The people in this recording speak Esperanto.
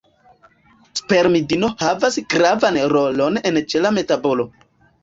Spermidino havas gravan rolon en ĉela metabolo.